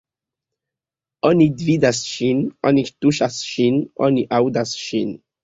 Oni vidas ŝin, oni tuŝas ŝin, oni aŭdas ŝin.